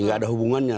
tidak ada hubungannya